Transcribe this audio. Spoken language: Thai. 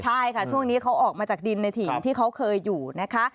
ใช่ค่ะช่วงนี้เขาออกมาจากดินในถิ่นที่เขาเคยอยู่นะคะ